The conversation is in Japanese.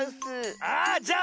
あじゃあ